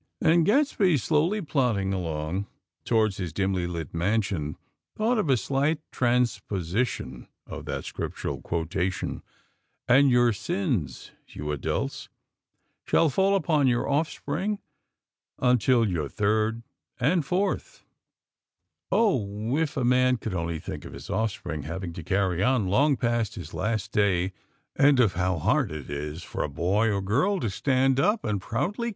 And Gadsby, slowly plodding along towards his dimly lit mansion, thought of a slight transposition of that scriptural quotation: "And your sins, you adults, shall fall upon your offspring, unto your third and fourth " "Oh, if a man would only think of his offspring having to carry on, long past his last day! And of how hard it is for a boy or girl to stand up and proudly